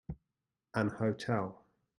An hotel.